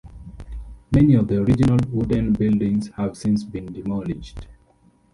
Many of the original wooden buildings have since been demolished.